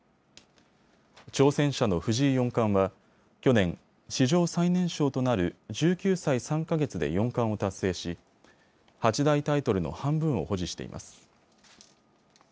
挑戦者の藤井四冠は去年、史上最年少となる１９歳３か月で四冠を達成し八大タイトルの半分を保持しています。